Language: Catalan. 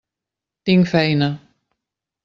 Tinc feina.